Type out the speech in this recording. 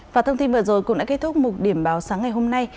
và thông tin vừa rồi cũng đã kết thúc một điểm báo sáng ngày hôm nay